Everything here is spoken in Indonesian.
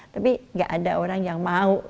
tapi gak ada orang yang mau